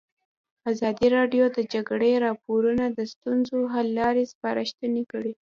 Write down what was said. ازادي راډیو د د جګړې راپورونه د ستونزو حل لارې سپارښتنې کړي.